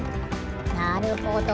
なるほど。